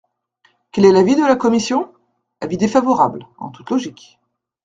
Quel est l’avis de la commission ? Avis défavorable, en toute logique.